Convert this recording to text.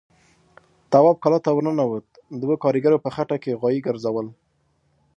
تواب کلا ته ور ننوت، دوو کاريګرو په خټه کې غوايي ګرځول.